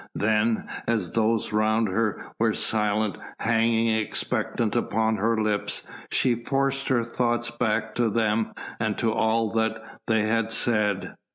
Then, as those around her were silent, hanging expectant upon her lips, she forced her thoughts back to them and to all that they had said.